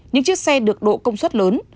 những chiếc xe được độ công suất lớn